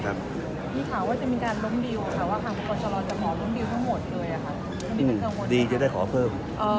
อย่างนี้คุณคุมใจไทยยังคงยิ้น